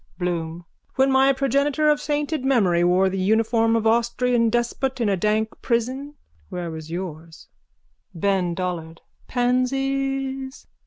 BLOOM: When my progenitor of sainted memory wore the uniform of the Austrian despot in a dank prison where was yours? BEN DOLLARD: Pansies?